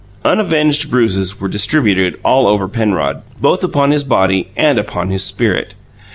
Unavenged bruises were distributed all over Penrod, both upon his body and upon his spirit.